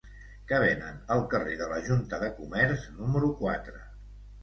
Què venen al carrer de la Junta de Comerç número quatre?